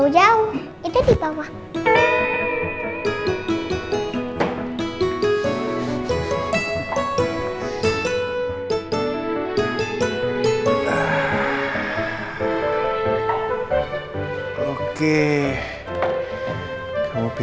mentega telur disini juga ya